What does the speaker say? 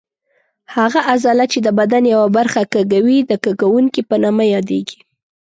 هغه عضله چې د بدن یوه برخه کږوي د کږوونکې په نامه یادېږي.